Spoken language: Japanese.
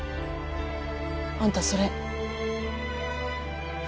あんたそれ。